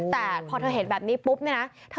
แต่พอเธอเห็นแบบนี้ปุ๊บเนี่ยนะ